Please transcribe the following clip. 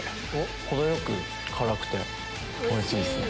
程よく辛くておいしいですね。